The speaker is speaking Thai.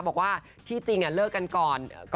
บอกว่าที่จริงเลิกกันก่อน